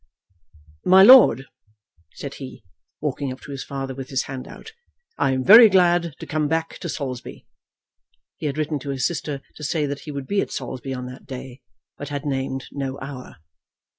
"My lord," said he, walking up to his father with his hand out, "I am very glad to come back to Saulsby." He had written to his sister to say that he would be at Saulsby on that day, but had named no hour.